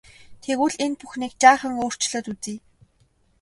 Тэгвэл энэ түүхийг жаахан өөрчлөөд үзье.